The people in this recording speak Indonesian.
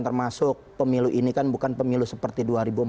termasuk pemilu ini kan bukan pemilu seperti dua ribu empat belas